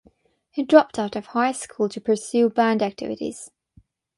He dropped out of high school to pursue band activities.